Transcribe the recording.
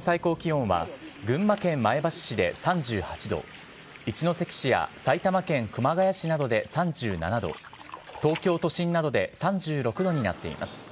最高気温は、群馬県前橋市で３８度、一関市や埼玉県熊谷市などで３７度、東京都心などで３６度になっています。